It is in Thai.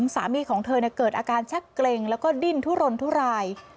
สามีของเธอเกิดอาการชักเกร็งแล้วก็ดิ้นทุรนทุราย